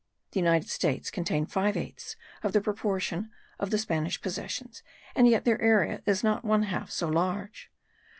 The United States contain five eighths of the proportion of the Spanish possessions, and yet their area is not one half so large.